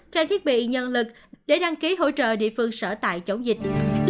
trang thiết bị nhân lực để đăng ký hỗ trợ địa phương sở tại chống dịch